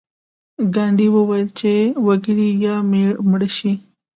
ګاندي وویل چې وکړئ یا مړه شئ.